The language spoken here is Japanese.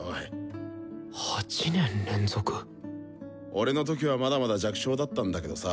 俺の時はまだまだ弱小だったんだけどさ